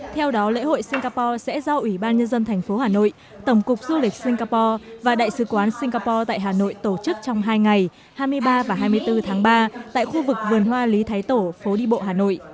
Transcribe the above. theo đó lễ hội singapore sẽ do ủy ban nhân dân thành phố hà nội tổng cục du lịch singapore và đại sứ quán singapore tại hà nội tổ chức trong hai ngày hai mươi ba và hai mươi bốn tháng ba tại khu vực vườn hoa lý thái tổ phố đi bộ hà nội